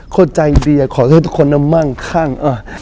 โคตรใจดีขอโทษให้ทุกคนน่ะมั่งข้าง